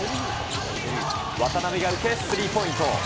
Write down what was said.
渡邊が受けスリーポイント。